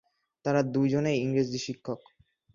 তারা দুজনেই ইংরেজ শিক্ষক।